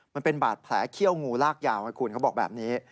มันเป็นบาดแผลเขี้ยวงูลากยาวไงคุณเขาบอกแบบนี้